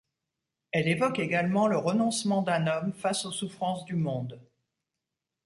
Elle évoque également le renoncement d’un homme face aux souffrances du monde.